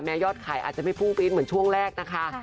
ยอดขายอาจจะไม่พุ่งปี๊ดเหมือนช่วงแรกนะคะ